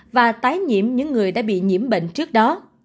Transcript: và tái nhiễm những người đã bị nhiễm bệnh trước đó